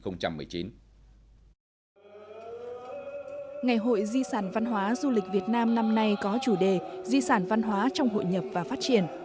ngày hội di sản văn hóa du lịch việt nam năm nay có chủ đề di sản văn hóa trong hội nhập và phát triển